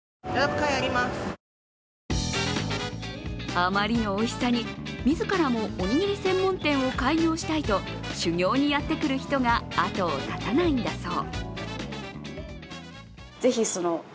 あまりのおいしさに自らもおにぎり専門店を開業したいと修業にやってくる人があとを絶たないんだそう。